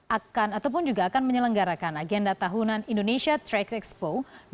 akan ataupun juga akan menyelenggarakan agenda tahunan indonesia trade expo dua ribu enam belas